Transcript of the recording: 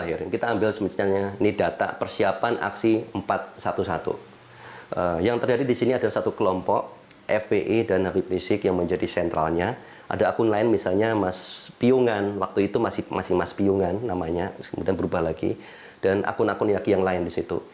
fbe dan republik indonesia yang menjadi sentralnya ada akun lain misalnya mas piungan waktu itu masih mas piungan namanya kemudian berubah lagi dan akun akun yang lain di situ